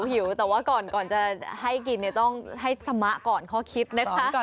หิวแต่ว่าก่อนจะให้กินเนี่ยต้องให้สมะก่อนข้อคิดนะคะ